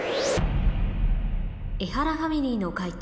エハラファミリーの解答